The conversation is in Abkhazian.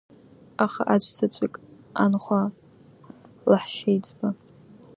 Аха аӡә-заҵәык, анхәа лаҳәшьеиҵба…